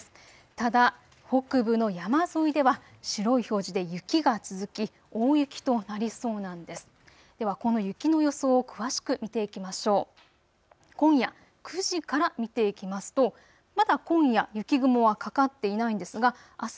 ただ北部の山沿いでは白い表示で雪が続き大雪となりそうなんです。